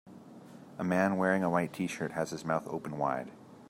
A man wearing a white tshirt has his mouth open wide.